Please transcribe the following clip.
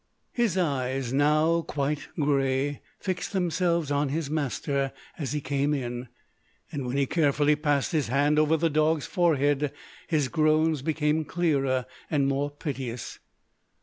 His eyes, now quite grey, fixed themselves on his master as he came in, and when he carefully passed his hand over the dog"s forehead, his groans became clearer and more piteous.